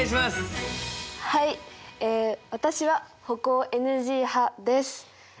え私は歩行ＮＧ派です。